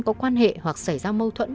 có quan hệ hoặc xảy ra mâu thuẫn